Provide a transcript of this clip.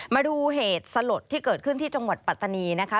มาดูเหตุสลดที่เกิดขึ้นที่จังหวัดปัตตานีนะคะ